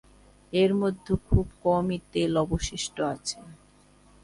এর মধ্যে খুব কমই তেল অবশিষ্ট আছে।